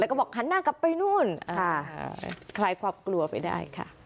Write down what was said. แล้วก็บอกหันหน้ากลับไปนู่นคลายความกลัวไปได้ค่ะ